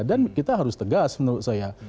dan kita harus tegas menurut saya